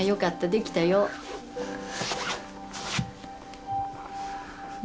できたよ。ね。